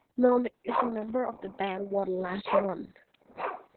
Melnick is a member of the band One Last Run.